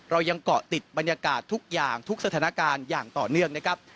เรายังเกาะติดบรรยากาศทุกอย่างทุกสถานการณ์อย่างต่อเนื่องนะครับ